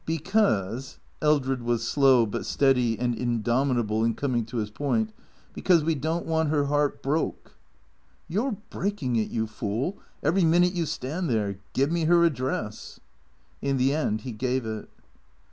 "Because" (Eldred was slow but steady and indomitable in coming to his point), "because we don't want 'er 'eart broke." " You 're breaking it, you fool, every minute you stand there. Give me her address." In the end he gave it.